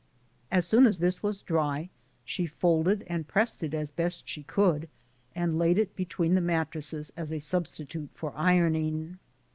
As soon as this was dry she folded and pressed it as best she could, and laid it between the mattresses as a substitute for ironing.